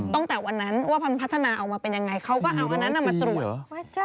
ตั้งแต่วันนั้นว่ามันพัฒนาออกมาเป็นยังไงเขาก็เอาอันนั้นมาตรวจ